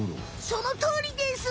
そのとおりです。